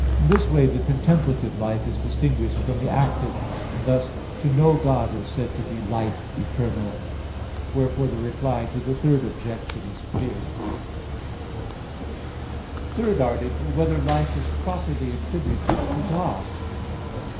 In this way the contemplative life is distinguished from the active, and thus to know God is said to be life eternal. Wherefore the Reply to the Third Objection is clear. _______________________ THIRD ARTICLE [I, Q. 18, Art. 3] Whether Life Is Properly Attributed to God?